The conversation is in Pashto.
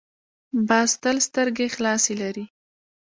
باز تل سترګې خلاصې لري